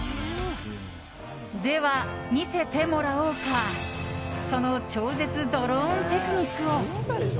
では、見せてもらおうかその超絶ドローンテクニックを！